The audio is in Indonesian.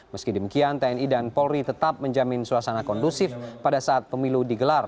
meski demikian tni dan polri tetap menjamin suasana kondusif pada saat pemilu digelar